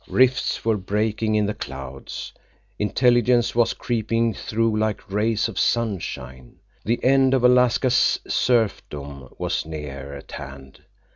Rifts were breaking in the clouds. Intelligence was creeping through, like rays of sunshine. The end of Alaska's serfdom was near at hand.